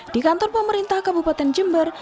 di kantor pemerintah kabupaten jember